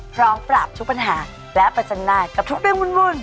พร้อมปราบทุกปัญหาและประจันหน้ากับทุกเรื่องวุ่น